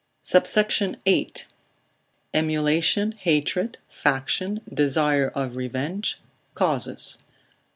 SUBSECT. VIII.—Emulation, Hatred, Faction, Desire of Revenge, Causes.